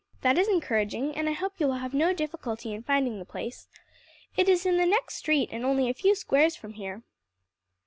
"That is encouraging, and I hope you will have no difficulty in finding the place. It is in the next street and only a few squares from here."